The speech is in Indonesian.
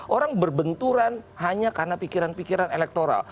orang berbenturan hanya karena pikiran pikiran elektoral